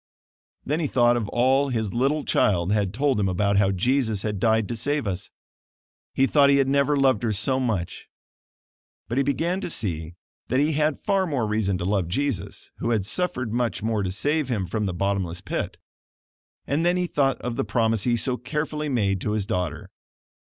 Then he thought of all his little child had told him about how Jesus had died to save us. He thought he had never loved her so much. But he began to see that he had far more reason to love Jesus who had suffered much more to save him from the "bottomless pit." And then he thought of the promise he so carefully made to his daughter.